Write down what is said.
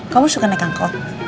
kamu suka naik angkot